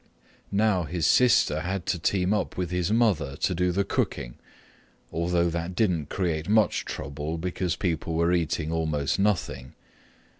Now his sister had to team up with his mother to do the cooking, although that didn't create much trouble because people were eating almost nothing.